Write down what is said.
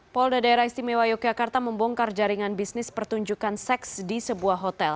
polda daerah istimewa yogyakarta membongkar jaringan bisnis pertunjukan seks di sebuah hotel